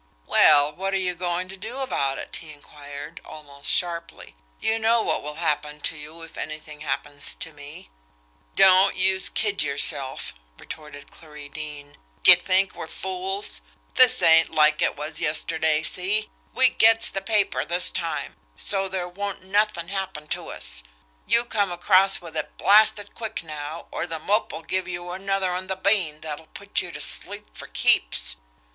"Well, what are you going to do about it?" he inquired, almost sharply. "You know what will happen to you, if anything happens to me." "Don't youse kid yerself!" retorted Clarie Deane. "D'ye think we're fools? This ain't like it was yesterday see! We GETS the paper this time so there won't nothin' happen to us. You come across with it blasted quick now, or The Mope'll give you another on the bean that'll put you to sleep fer keeps!"